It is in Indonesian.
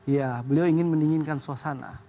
ya beliau ingin mendinginkan suasana